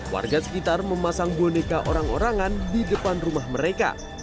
warga sekitar memasang boneka orang orangan di depan rumah mereka